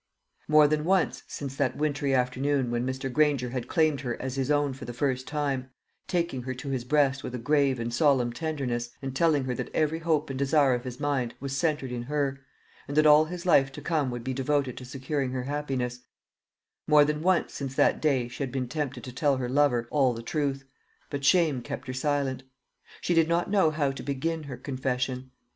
More than once, since that wintry afternoon when Mr. Granger had claimed her as his own for the first time taking her to his breast with a grave and solemn tenderness, and telling her that every hope and desire of his mind was centred in her, and that all his life to come would be devoted to securing her happiness more than once since that day she had been tempted to tell her lover all the truth; but shame kept her silent. She did not know how to begin her confession.